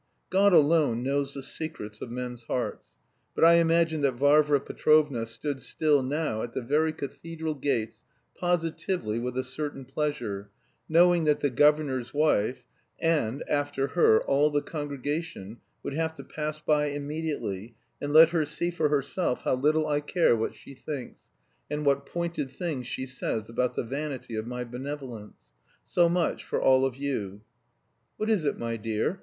God alone knows the secrets of men's hearts; but I imagine that Varvara Petrovna stood still now at the very cathedral gates positively with a certain pleasure, knowing that the governor's wife and, after her, all the congregation, would have to pass by immediately, and "let her see for herself how little I care what she thinks, and what pointed things she says about the vanity of my benevolence. So much for all of you!" "What is it my dear?